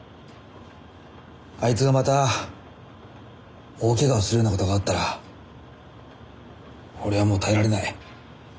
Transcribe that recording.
あいつがまた大ケガをするようなことがあったら俺はもう耐えられない。